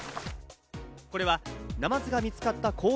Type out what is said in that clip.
これはナマズが見つかった公園